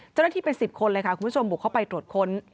เจ้าหน้าที่เป็น๑๐คนเลยค่ะคุณผู้ชมบุกเข้าไปตรวจค้น